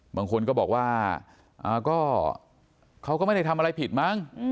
บางคนก็บอกว่าก็เขาก็ไม่ได้ทำอะไรผิดมั้ง